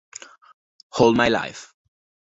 All My Life